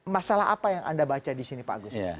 masalah apa yang anda baca di sini pak agus